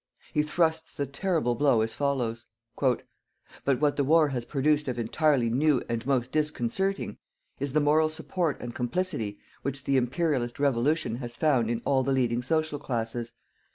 He thrusts the terrible blow as follows: "But what the war has produced of entirely new and most disconcerting, is the moral support and complicity which the "IMPERIALIST REVOLUTION" has found in all the leading social classes.